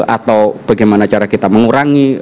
atau bagaimana cara kita mengurangi